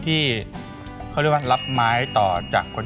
แม่บ้านประจันบัน